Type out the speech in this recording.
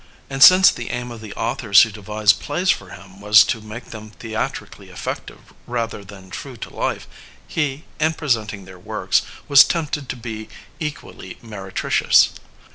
And since the aim of the authors who devised plays for him was to make them theatrically effective rather than true to life, he, in presenting their works, was tempted to be equally meretricious.